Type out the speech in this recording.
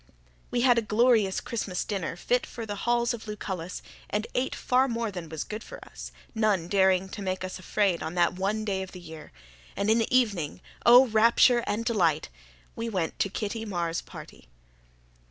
We had a glorious Christmas dinner, fit for the halls of Lucullus, and ate far more than was good for us, none daring to make us afraid on that one day of the year. And in the evening oh, rapture and delight! we went to Kitty Marr's party.